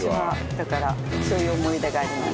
だからそういう思い出があります。